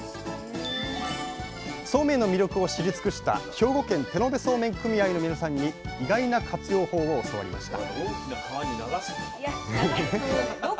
そうめんの魅力を知り尽くした兵庫県手延素麺組合のみなさんに意外な活用法を教わりました